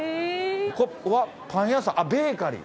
パン屋さんベーカリー。